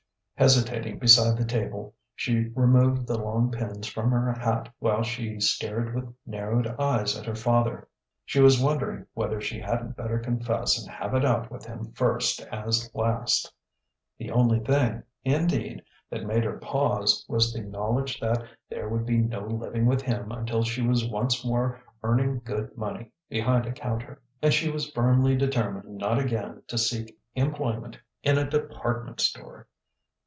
Hesitating beside the table, she removed the long pins from her hat while she stared with narrowed eyes at her father. She was wondering whether she hadn't better confess and have it out with him first as last. The only thing, indeed, that made her pause was the knowledge that there would be no living with him until she was once more "earning good money" behind a counter. And she was firmly determined not again to seek employment in a department store.